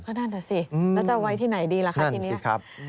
นั่นแหละสิแล้วจะเอาไว้ที่ไหนดีล่ะคะทีนี้